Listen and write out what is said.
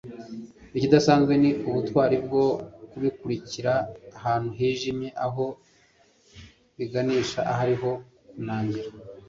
ikidasanzwe ni ubutwari bwo kubikurikira ahantu hijimye aho biganisha hariho kunangira